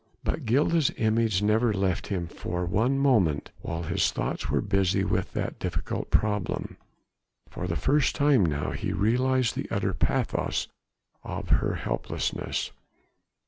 But Gilda's image never left him for one moment while his thoughts were busy with that difficult problem. For the first time now he realized the utter pathos of her helplessness.